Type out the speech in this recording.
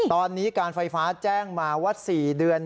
ตอนนี้การไฟฟ้าแจ้งมาว่า๔เดือน